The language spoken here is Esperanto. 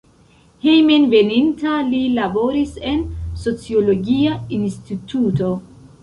Hejmenveninta li laboris en sociologia instituto.